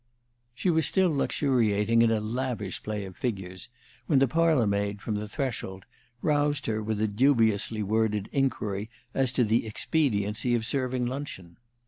She was still luxuriating in a lavish play of figures when the parlor maid, from the threshold, roused her with a dubiously worded inquiry as to the expediency of serving luncheon.